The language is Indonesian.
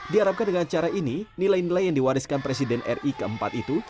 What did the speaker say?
diharapkan dengan cara ini nilai nilai yang diwariskan presiden ri keempat itu